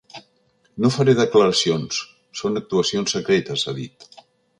No faré declaracions, són actuacions secretes, ha dit.